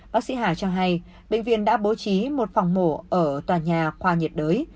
bác sĩ hà cho hay bệnh viện đã bố trí một phòng mổ ở tòa nhà khoa nhiệt đới